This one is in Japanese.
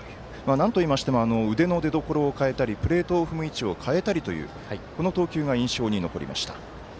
なんといっても腕の出どころを変えたりプレートの踏む位置を変えたりとこの投球が印象に残りました。